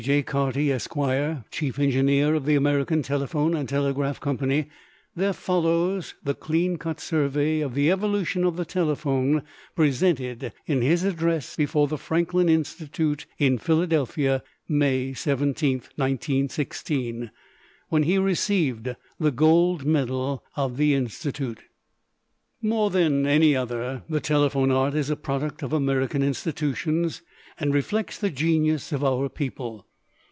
J. Carty, Esq., Chief Engineer of the American Telephone and Telegraph Company, there follows the clean cut survey of the evolution of the telephone presented in his address before the Franklin Institute in Philadelphia, May 17, 1916, when he received the gold medal of the Institute. More than any other, the telephone art is a product of American institutions and reflects the genius of our people.